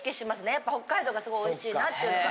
やっぱ北海道がすごいおいしいなっていうのが。